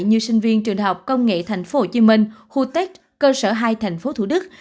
như sinh viên trường học công nghệ thành phố hồ chí minh khu tết cơ sở hai thành phố thủ đức